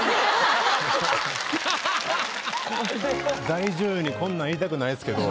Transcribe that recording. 大女優にこんなん言いたくないっすけど。